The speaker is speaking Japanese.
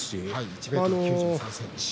１ｍ９３ｃｍ。